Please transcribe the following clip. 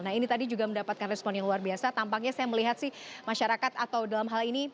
nah ini tadi juga mendapatkan respon yang luar biasa tampaknya saya melihat sih masyarakat atau dalam hal ini